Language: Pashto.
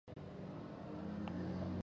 د دولت د دموکراتیکو بنسټونو وزیره شوه.